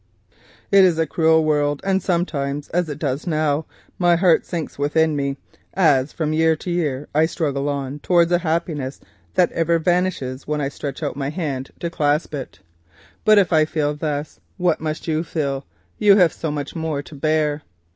It is a hard world, and sometimes (as it does now) my heart sinks within me as from year to year I struggle on towards a happiness that ever vanishes when I stretch out my hand to clasp it; but, if I feel thus, what must you feel who have so much more to bear?